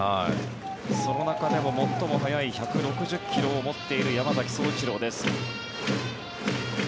その中でも最も速い１６０ｋｍを持っている山崎颯一郎です。